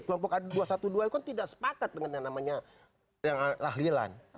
kelompok ad dua ratus dua belas itu kan tidak sepakat dengan yang namanya lahlilan